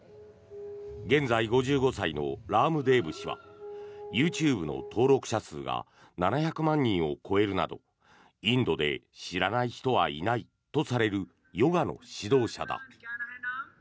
現在５５歳のラームデーブ氏はＹｏｕＴｕｂｅの登録者数が７００万人を超えるなどインドで知らない人はいないとされるヨガの指導者だ。